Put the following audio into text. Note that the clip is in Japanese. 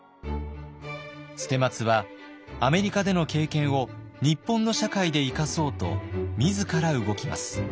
捨松はアメリカでの経験を日本の社会で生かそうと自ら動きます。